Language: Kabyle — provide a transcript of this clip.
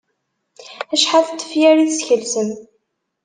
Acḥal n tefyar i teskelsem?